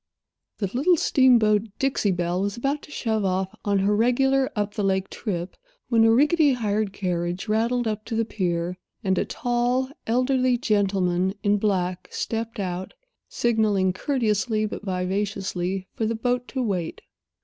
The little steamboat Dixie Belle was about to shove off on her regular up the lake trip, when a rickety hired carriage rattled up to the pier, and a tall, elderly gentleman, in black, stepped out, signaling courteously but vivaciously for the boat to wait.